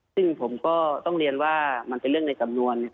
ซึ่งผมก็ต้องเรียนว่ามันเป็นเรื่องในสำนวน